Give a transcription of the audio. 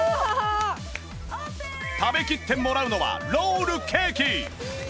食べきってもらうのはロールケーキ